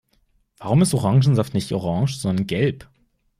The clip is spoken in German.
Warum ist Orangensaft nicht orange, sondern gelb?